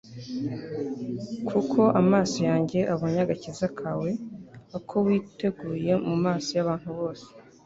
Kuko amaso yanjye abonye agakiza kawe, ako witeguye mu maso y'abantu bose